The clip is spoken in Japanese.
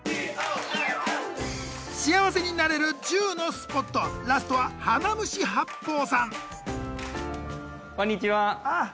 幸せになれる１０のスポットラストは花虫八放さんこんにちは